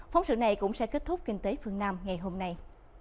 phóng sự này cũng sẽ kết thúc kinh tế phương nam ngày hôm nay